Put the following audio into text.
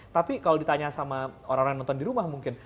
tapi kalau ditanya sama orang orang yang nonton di rumah mungkin